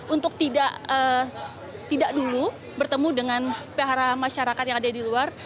untuk tidak dulu bertemu dengan para masyarakat yang ada di luar